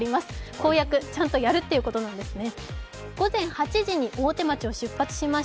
公約、ちゃんとやるということなんですね。